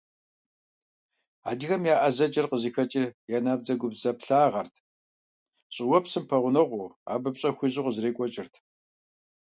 Адыгэхэм я ӀэзэкӀэр къызыхэкӀыр я набдзэгубдзаплъагъэрт, щӀыуэпсым пэгъунэгъуу, абы пщӀэ хуащӀу къызэрекӀуэкӀырт.